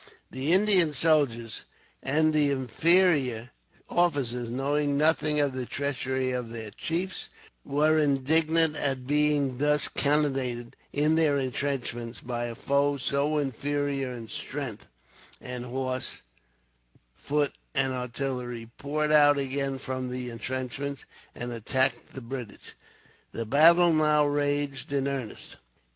The Indian soldiers and inferior officers, knowing nothing of the treachery of their chiefs, were indignant at being thus cannonaded in their intrenchments by a foe so inferior in strength; and horse, foot, and artillery poured out again from the intrenchments, and attacked the British. The battle now raged in earnest.